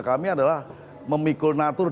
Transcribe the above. kami adalah memikul natur